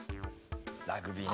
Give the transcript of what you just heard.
ラグビーね。